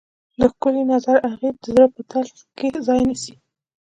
د ښکلي نظر اغېز د زړه په تل کې ځای نیسي.